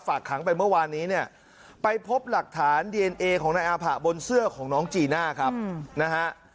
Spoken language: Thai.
ขังไปเมื่อวานนี้เนี่ยไปพบหลักฐานดีเอนเอของนายอาผะบนเสื้อของน้องจีน่าครับนะฮะ